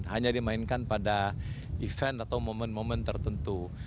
hanya dimainkan pada event atau momen momen tertentu